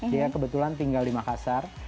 dia kebetulan tinggal di makassar